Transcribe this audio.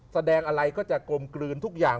แสดงอะไรก็จะกลมกลืนทุกอย่าง